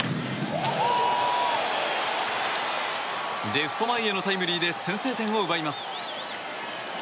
レフト前へのタイムリーで先制点を奪います。